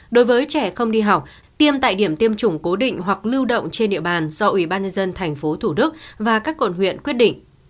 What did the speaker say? đối với trẻ không đi học tiêm tại điểm tiêm chủng cố định hoặc lưu động trên địa bàn do ủy ban nhân dân tp thủ đức và các quận huyện quyết định